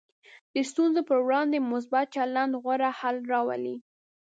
د ستونزو پر وړاندې مثبت چلند غوره حل راولي.